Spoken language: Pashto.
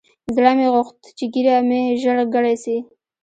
زړه مې غوښت چې ږيره مې ژر گڼه سي.